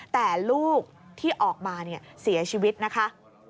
แต่ลูกที่ออกมาเสียชีวิตนะคะ